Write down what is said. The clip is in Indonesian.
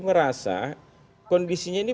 merasa kondisinya ini